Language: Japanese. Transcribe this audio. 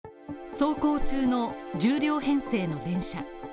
走行中の１０両編成の電車。